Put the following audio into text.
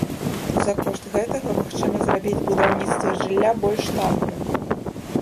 За кошт гэтага магчыма зрабіць будаўніцтва жылля больш танным.